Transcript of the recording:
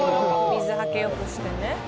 「水はけよくしてね」